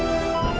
ya allah papa